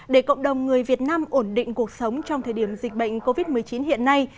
để cộng đồng người việt nam ổn định cuộc sống trong thời điểm dịch bệnh covid một mươi chín hiện nay